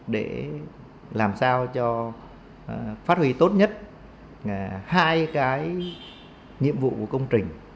để làm sao cho phát huy tốt nhất hai cái nhiệm vụ của công trình